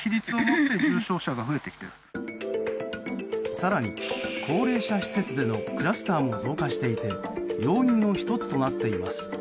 更に、高齢者施設でのクラスターも増加していて要因の１つとなっています。